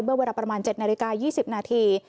เวลาประมาณ๗นาฬิกา๒๐นาที